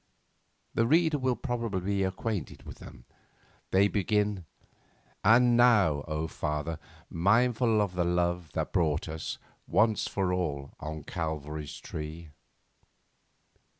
The reader will probably be acquainted with them. They begin: "And now, O Father, mindful of the love That bought us, once for all, on Calvary's tree."